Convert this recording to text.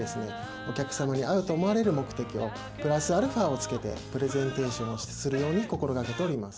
お客様に合うと思われる目的をプラスアルファをつけてプレゼンテーションをするように心がけております。